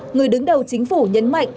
người đứng đầu chính phủ nhấn mạnh